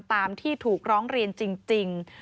ตามที่ถูกร้องเรียนจริง